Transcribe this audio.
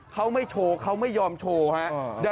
เขาไม่โชว์เขาไม่ยอมโชว์ครับ